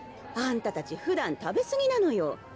あんたたちふだん食べ過ぎなのよ。